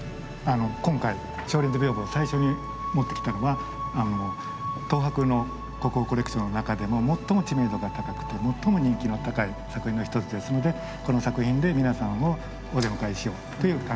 今回「松林図風」を最初に持ってきたのは東博の国宝コレクションの中でも最も知名度が高くて最も人気の高い作品の一つですのでこの作品で皆さんをお出迎えしようという考えですね。